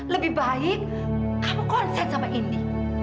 lebih baik kamu konsen sama indi